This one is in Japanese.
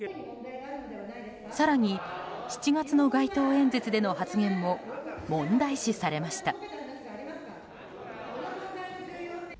更に、７月の街頭演説での発言も問題視されました。